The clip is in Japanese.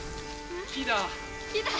木だ。